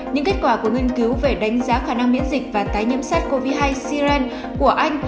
những kết quả của nghiên cứu về đánh giá khả năng miễn dịch và tái nhiễm sars cov hai xy lan của anh